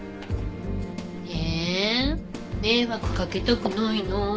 え迷惑かけたくないな。